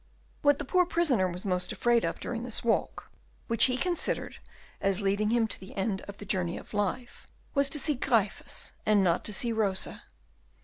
What the poor prisoner was most afraid of during this walk, which he considered as leading him to the end of the journey of life, was to see Gryphus and not to see Rosa.